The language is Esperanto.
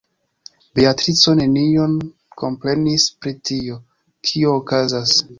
Beatrico nenion komprenis pri tio, kio okazas.